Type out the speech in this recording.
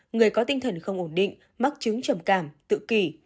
người có tinh thần không ổn định mắc chứng trầm cảm tự kỷ